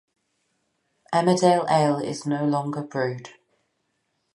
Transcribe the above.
Emmerdale Ale is no longer brewed.